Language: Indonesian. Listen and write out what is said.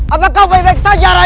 apakah baik baik saja